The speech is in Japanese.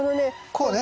こうね。